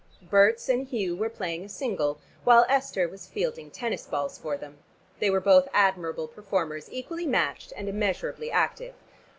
Berts and Hugh were playing a single, while Esther was fielding tennis balls for them. They were both admirable performers, equally matched and immeasurably active.